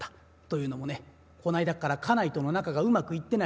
というのもねこないだっから家内との仲がうまくいってない。